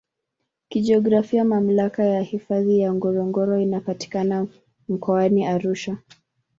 Kijiografia Mamlaka ya hifadhi ya Ngorongoro inapatikana Mkoani Arusha